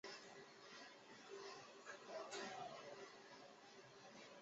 申东烨是韩国的一名主持人及喜剧演员。